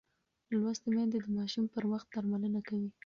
لوستې میندې د ماشوم پر وخت درملنه کوي.